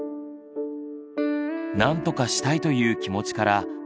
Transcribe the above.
なんとかしたいという気持ちから下の子の